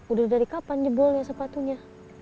udah dari kapan jebolnya sepatunya